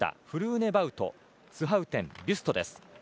フルーネバウト、スハウテンビュストです。